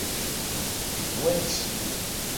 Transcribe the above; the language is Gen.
Weci.